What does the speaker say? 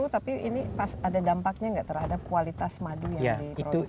tapi ini pas ada dampaknya nggak terhadap kualitas madu yang diproduksi